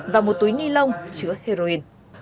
và một túi ni lông chứa heroin